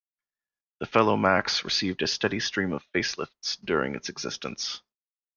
The Fellow Max received a steady stream of facelifts during its existence.